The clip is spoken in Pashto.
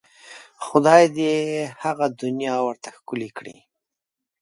خدای دې یې هغه دنیا ورته ښکلې کړي.